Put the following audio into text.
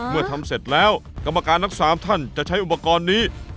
เมื่อทำเสร็จแล้วกรรมการทั้ง๓ท่านจะใช้อุปกรณ์นี้